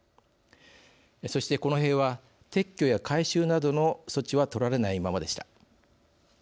そして、この塀は撤去や改修などの措置は取られないままでした。